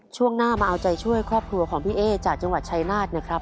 ช่วงหน้ามาเอาใจช่วยครอบครัวของพี่เอ๊จากจังหวัดชายนาฏนะครับ